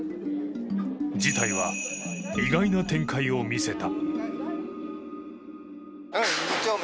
事態は意外な展開を見せた。